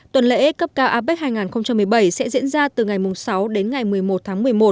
tuần lễ cấp cao apec hai nghìn một mươi bảy sẽ diễn ra từ ngày sáu đến ngày một mươi một tháng một mươi một